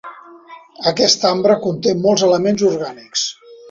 Aquest ambre conté molts elements orgànics.